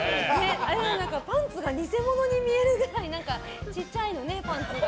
パンツが偽物に見えるくらいちっちゃいのね、パンツが。